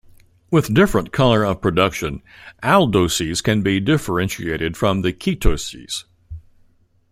With different color of production, aldoses can be differentiate from the ketoses.